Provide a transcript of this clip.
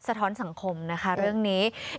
ท้อนสังคมนะคะเรื่องนี้